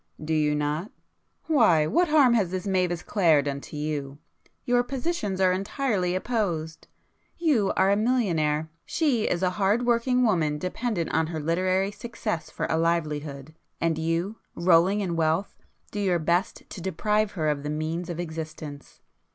"Do you not? Why, what harm has this Mavis Clare done to you? Your positions are entirely opposed. You are a millionaire; she is a hard working woman dependent on her literary success for a livelihood, and you, rolling in wealth do your best to deprive her of the means of existence.